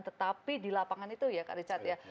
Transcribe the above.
tetapi di lapangan itu ya kak richard ya